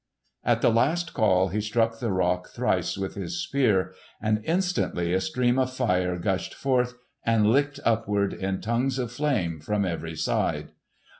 At the last call he struck the rock thrice with his Spear, and instantly a stream of fire gushed forth and licked upward in tongues of flame from every side.